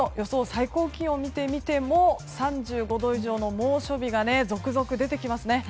最高気温を見てみても３５度以上の猛暑日が続々出てきますね。